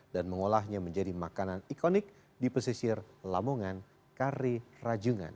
dan mengolahnya menjadi makanan ikonik di pesisir lamongan kari rajungan